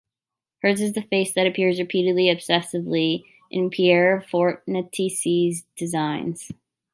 Hers is the face that appears repeatedly, obsessively, in Piero Fornasetti's designs.